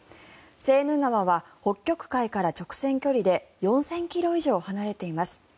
セーヌ川は北極海から直線距離で４０００ｋｍ以上離れています。